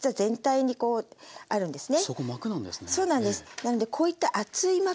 なのでこういった厚い膜